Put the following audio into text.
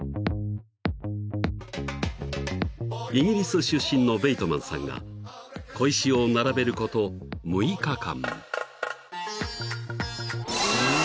［イギリス出身のベイトマンさんが小石を並べること６日間］